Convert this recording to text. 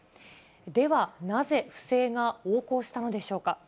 では、なぜ不正が横行したのでしょうか。